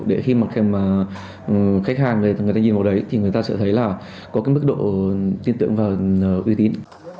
để khi mà khách hàng về người ta nhìn vào đấy thì người ta sẽ thấy là có cái mức độ tin tưởng và uy tín